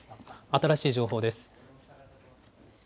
新しい情報です。